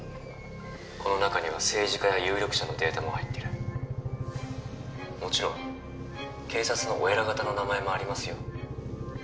この中には政治家や有力者のデータも入ってるもちろん警察のお偉方の名前もありますよ